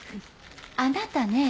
あなたね。